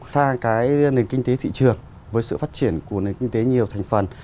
sang cái nền kinh tế thị trường với sự phát triển của nền kinh tế nhiều thành phần